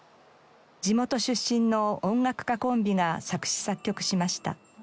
地元出身の音楽家コンビが作詞作曲しました。